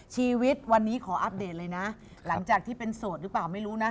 ชีวิตวันนี้ขออัปเดตเลยนะหลังจากที่เป็นโสดหรือเปล่าไม่รู้นะ